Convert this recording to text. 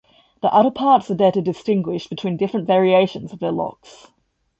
The other parts are there to distinguish between different variation of their locks.